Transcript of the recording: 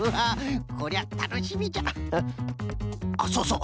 あっそうそう。